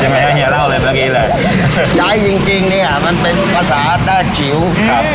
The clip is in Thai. ยังไงเฮียเล่าเลยแบบนี้แหละใจจริงจริงเนี้ยมันเป็นภาษาได้ชิวครับ